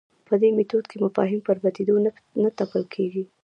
په دې میتود کې مفاهیم پر پدیدو نه تپل کېږي.